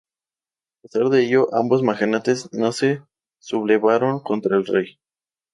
A pesar de ello, ambos magnates no se sublevaron contra el rey.